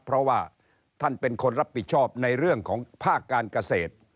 เพราะว่าท่านเป็นคนรับผิดชอบในเรื่องของภาคการเกษตร